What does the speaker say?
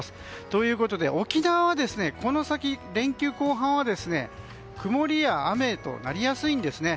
ということで沖縄はこの先、連休後半は曇りや雨となりやすいんですね。